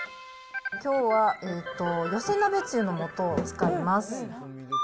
きょうは寄せ鍋つゆのもとを使います。